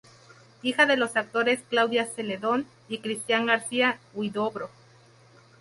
Hija de los actores Claudia Celedón y Cristián García-Huidobro.